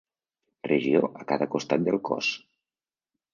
Regió a cada costat del cos.